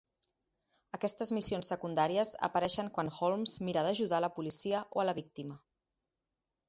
Aquestes missions secundàries apareixen quan Holmes mira d'ajudar a la policia o a la víctima.